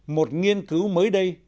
một nghiên cứu mới đây